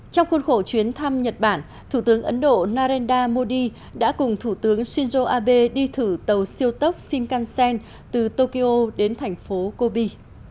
trong khuôn khổ chuyến thăm nhật bản thủ tướng ấn độ narendra modi đã cùng thủ tướng shinzo abe đi thử tàu siêu tốc shinkansen từ tokyo đến thành phố kobi